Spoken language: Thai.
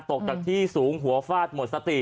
ตกจากที่สูงหัวฟาดหมดสติ